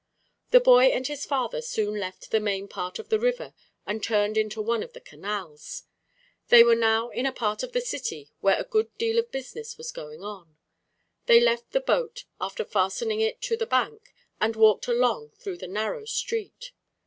The boy and his father soon left the main part of the river and turned into one of the canals. They were now in a part of the city where a good deal of business was going on. They left the boat, after fastening it to the bank, and walked along through the narrow street.